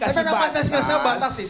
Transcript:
saya mau jelaskan tentang pancasila nya